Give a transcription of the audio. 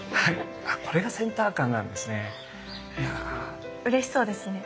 これがセンター感なんですね。